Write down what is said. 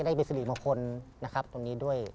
ได้เป็นสิริมงคลนะครับตรงนี้ด้วย